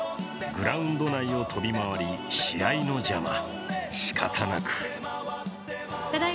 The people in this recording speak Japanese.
グラウンド内を飛び回り試合の邪魔。